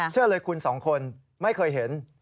เชื่อเลยคุณสองคนไม่เคยเห็น